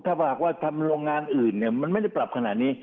ถ้าหากว่าทำโรงงานอื่นมันไม่ได้ปรับขนาดนี้